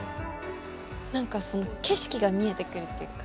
何か景色が見えてくるっていうか。